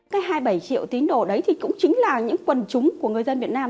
cái hai mươi bảy triệu tín đồ đấy thì cũng chính là những quần chúng của người dân việt nam